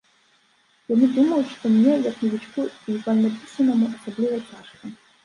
Яны думаюць, што мне, як навічку і вальнапісанаму, асабліва цяжка.